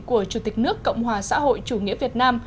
của chủ tịch nước cộng hòa xã hội chủ nghĩa việt nam